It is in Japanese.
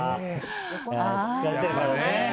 疲れてるからね。